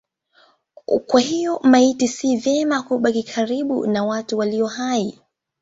Kwa hiyo maiti si vema kubaki karibu na watu walio hai.